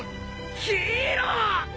ヒーロー！